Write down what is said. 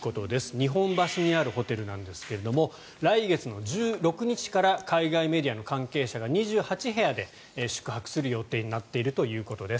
日本橋にあるホテルなんですが来月の１６日から海外メディアの関係者が２８部屋で宿泊する予定になっているということです。